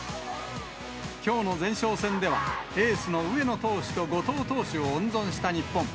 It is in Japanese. きょうの前哨戦では、エースの上野投手と後藤投手を温存した日本。